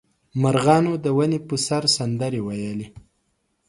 مرغانو د ونې په سر سندرې ویلې.